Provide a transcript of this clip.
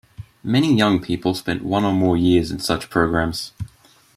Many young people spent one or more years in such programmes.